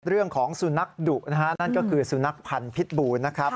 เรื่องของสุนัขดุนะฮะนั่นก็คือสุนัขพันธ์พิษบูนะครับ